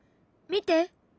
見て！